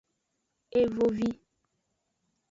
Evovi.